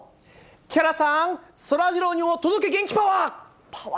木原さん、そらジローにも届け、パワー。